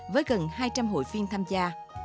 với gần hai trăm linh hội phiên tham gia